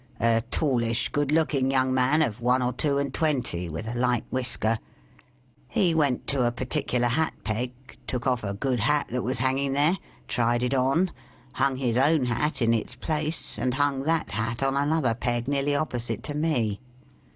A tallish, good looking young man of one or two and twenty, with a light whisker. He went to a particular hat peg, took off a good hat that was hanging there, tried it on, hung his own hat in its place, and hung that hat on another peg, nearly opposite to me.